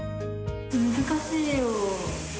難しいよ。